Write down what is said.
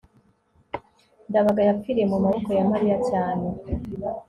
ndabaga yapfiriye mu maboko ya mariya cyane